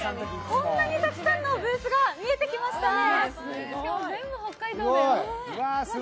こんなにたくさんのブースが見えてきましたね。